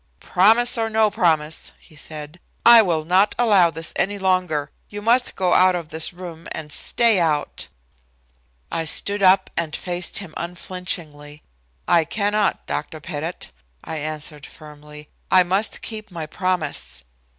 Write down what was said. "Promise or no promise," he said, "I will not allow this any longer. You must go out of this room and stay out." I stood up and faced him unflinchingly. "I cannot, Dr. Pettit," I answered firmly. "I must keep my promise."